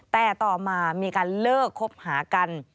แต่ต่อมามีการเลิกคบหากัน